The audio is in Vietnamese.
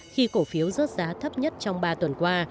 khi cổ phiếu rớt giá thấp nhất trong ba tuần qua